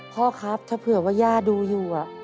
พ่อครับถ้าเผื่อว่าย่าดูอยู่